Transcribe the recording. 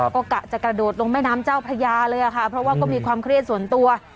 ก็กะจะกระโดดลงแม่น้ำเจ้าพระยาเลยค่ะเพราะว่าก็มีความเครียดส่วนตัว